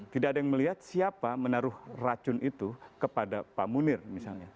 tidak ada yang melihat siapa menaruh racun itu kepada pak munir misalnya